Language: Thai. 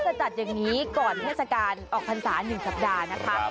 จะจัดอย่างนี้ก่อนเทศกาลออกพรรษา๑สัปดาห์นะคะ